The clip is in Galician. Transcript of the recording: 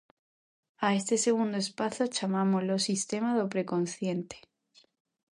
A este segundo espazo chamámolo sistema do preconsciente.